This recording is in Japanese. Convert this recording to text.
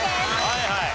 はいはい。